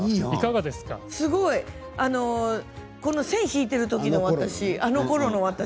すごい！線を引いているときのあのころの私。